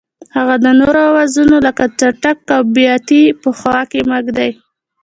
هغه د نورو اوزارونو لکه څټک او بیاتي په خوا کې مه ږدئ.